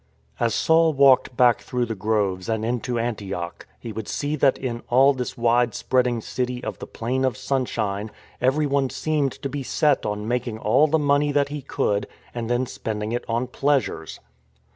As Saul walked back through the groves and into Antioch he would see that in all this wide spreading city of the Plain of Sunshine everyone seemed to be set on making all the money that he could and then spending it on pleasures.